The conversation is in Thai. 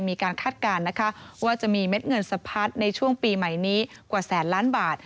คาดการณ์นะคะว่าจะมีเม็ดเงินสะพัดในช่วงปีใหม่นี้กว่าแสนล้านบาท